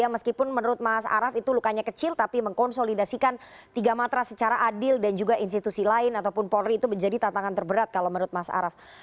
meskipun menurut mas araf itu lukanya kecil tapi mengkonsolidasikan tiga matra secara adil dan juga institusi lain ataupun polri itu menjadi tantangan terberat kalau menurut mas araf